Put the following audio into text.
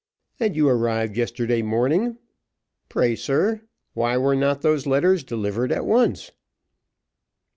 "And you arrived yesterday morning? Pray, sir, why were not those letters delivered at once?"